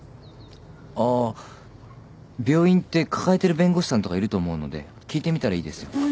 あ病院って抱えてる弁護士さんとかいると思うので聞いてみたらいいですよ。